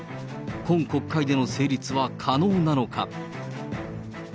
今国会での成立は可能なのか。